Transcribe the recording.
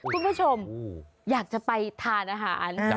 คุณผู้ชมอยากจะไปทานอาหาร